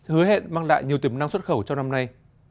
hứa hẹn mang lại nhiều tiềm năng xuất khẩu cho năm nay